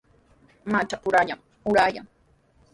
Mashapurallami aruyan.